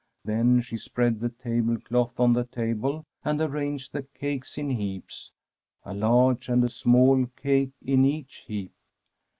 Then she spread the tablecloth on the table, and arranged the cakes in heaps, a large and a small cake in each heap.'